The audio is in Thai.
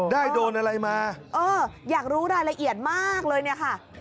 โดนอะไรมาเอออยากรู้รายละเอียดมากเลยเนี่ยค่ะ